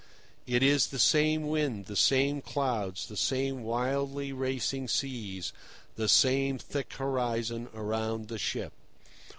It is the same wind, the same clouds, the same wildly racing seas, the same thick horizon around the ship.